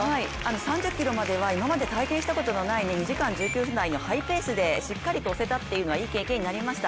３０ｋｍまでは今まで体験したことのない２時間１９分台にハイペースでしっかりのせたというのはいい経験になりました。